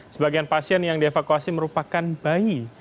sebagian pasien yang dievakuasi merupakan bayi